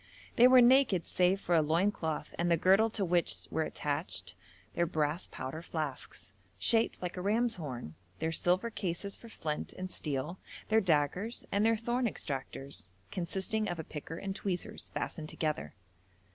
They were naked save for a loin cloth and the girdle to which were attached their brass powder flasks, shaped like a ram's horn, their silver cases for flint and steel, their daggers, and their thorn extractors, consisting of a picker and tweezers, fastened together.